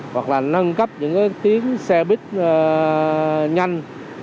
hoặc là nâng cấp những cái tiếng xe bus nhanh